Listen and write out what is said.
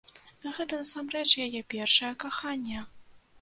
Гэта насамрэч яе першае каханне.